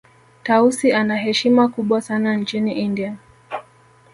tausi ana heshima kubwa sana nchini india